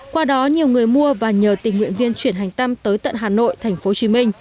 qua đó nhiều người mua và nhờ tình nguyện viên chuyển hành tăm tới tận hà nội tp hcm